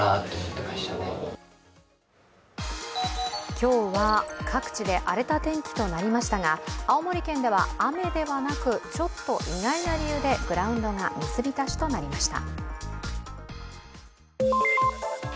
今日は各地で荒れた天気となりましたが青森県では雨ではなくちょっと意外な理由でグラウンドが水浸しとなりました。